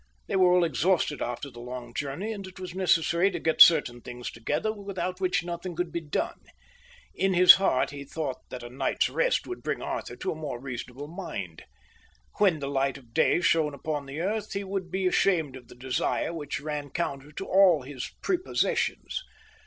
They were all exhausted after the long journey, and it was necessary to get certain things together without which nothing could be done. In his heart he thought that a night's rest would bring Arthur to a more reasonable mind. When the light of day shone upon the earth he would be ashamed of the desire which ran counter to all his prepossessions.